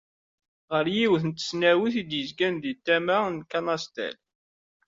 Ɣer yiwet n tesnawit i d-yezgan deg tama n Kanastel.